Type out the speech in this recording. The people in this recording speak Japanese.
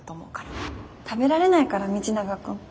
食べられないから道永君。